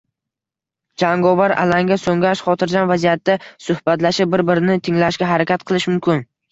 Jangovar alanga so‘ngach, xotirjam vaziyatda suhbatlashib, bir-birini tinglashga harakat qilish mumkin.